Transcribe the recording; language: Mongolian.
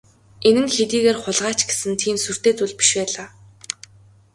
Энэ нь хэдийгээр хулгай ч гэсэн тийм сүртэй зүйл биш байлаа.